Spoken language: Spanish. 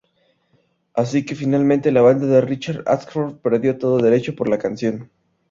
Así que, finalmente, la banda de Richard Ashcroft perdió todo derecho por la canción.